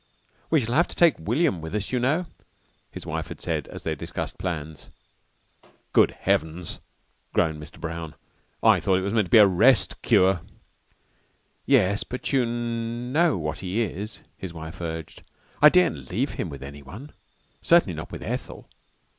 "We shall have to take William with us, you know," his wife had said as they discussed plans. "Good heavens!" groaned Mr. Brown. "I thought it was to be a rest cure." "Yes, but you know what he is," his wife urged. "I daren't leave him with anyone. Certainly not with Ethel.